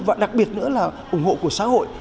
và đặc biệt nữa là ủng hộ của xã hội